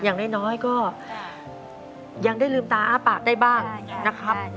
อย่างน้อยก็ยังได้ลืมตาอ้าปากได้บ้างนะครับ